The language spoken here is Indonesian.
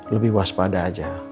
lebih waspada aja